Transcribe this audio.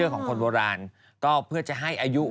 ของคนโบราณก็เพื่อจะให้อายุ